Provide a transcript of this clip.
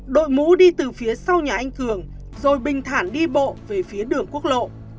đội mũ đi từ phía sau nhà anh cường rồi bình thản đi bộ về phía đường quốc lộ